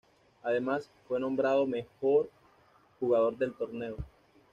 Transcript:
Además, fue nombrado Mejor Jugador del Torneo.